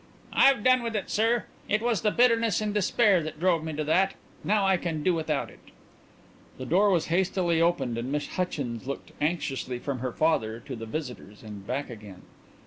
"I've done with it, sir. It was the bitterness and despair that drove me to that. Now I can do without it." The door was hastily opened and Miss Hutchins looked anxiously from her father to the visitors and back again.